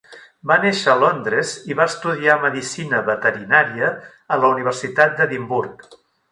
Va néixer a Londres i va estudiar medicina veterinària a la Universitat d'Edimburg.